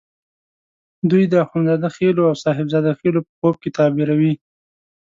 دوی د اخند زاده خېلو او صاحب زاده خېلو په خوب کې تعبیروي.